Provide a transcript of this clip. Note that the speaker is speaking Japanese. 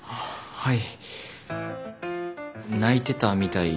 はい